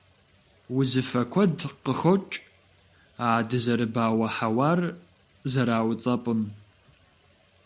Узыфэ куэд къыхокӀ а дызэрыбауэ хьэуар зэрауцӀэпӀым.